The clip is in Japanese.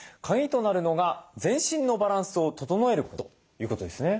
カギとなるのが全身のバランスを整えることですね。